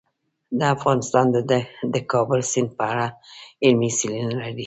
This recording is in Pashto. افغانستان د د کابل سیند په اړه علمي څېړنې لري.